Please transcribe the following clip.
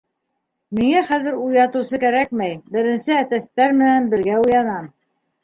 Миңә хәҙер уятыусы кәрәкмәй, беренсе әтәстәр менән бергә уянам.